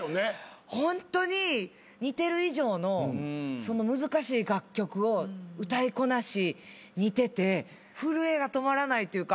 ホントに似てる以上の難しい楽曲を歌いこなし似てて震えが止まらないというか。